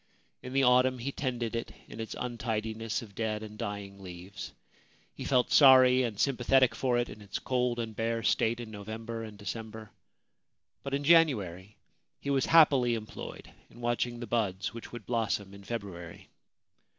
In the autumn he tended it in its untidiness of dead and dying leaves. He felt sorry and sympathetic for it in its cold and bare state in November and December ; but in January he was happily employed in watching the buds which would blossom in February.